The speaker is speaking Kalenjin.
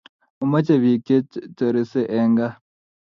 Mamache pik che chorese en gaa